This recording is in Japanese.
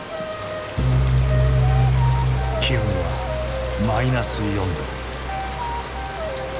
気温はマイナス４℃。